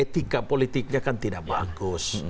etika politiknya kan tidak bagus